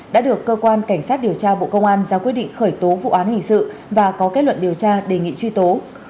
đã được cơ quan cảnh sát điều tra bộ công an ra quyết định khởi tố vụ án hình sự và có kết luận điều tra đề nghị truy tố